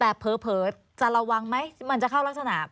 แต่เผลอจะระวังไหมมันจะเข้ารักษณะ